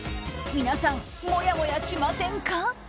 皆さん、もやもやしませんか？